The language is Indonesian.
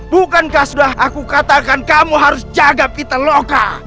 bukankah sudah aku katakan kamu harus jaga pitaloka